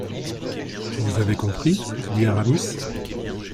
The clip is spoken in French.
Vous avez compris ? dit Aramis.